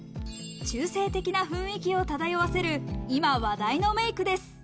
中性的な雰囲気を漂わせる今話題のメイクです。